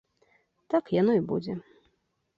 Так яно і будзе.